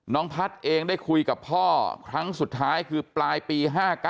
พัฒน์เองได้คุยกับพ่อครั้งสุดท้ายคือปลายปี๕๙